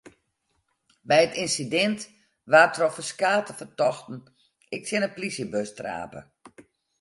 By it ynsidint waard troch ferskate fertochten ek tsjin de plysjebus trape.